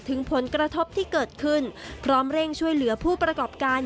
ถึงผลกระทบที่เกิดขึ้นพร้อมเร่งช่วยเหลือผู้ประกอบการ